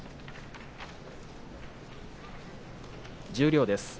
十両です。